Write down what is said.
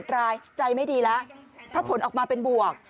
รายใจไม่ดีแล้วเพราะผลออกมาเป็นบวก